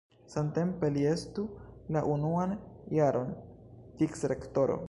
Samtempe li estu la unuan jaron vicrektoro.